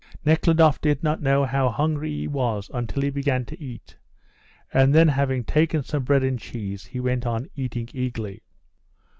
Nekhludoff did not know how hungry he was until he began to eat, and then, having taken some bread and cheese, he went on eating eagerly.